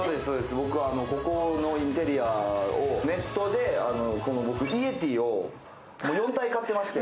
僕はここのインテリアをネットで、僕、このイエティをもう４体買ってまして。